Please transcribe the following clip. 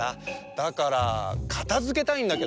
だからかたづけたいんだけど。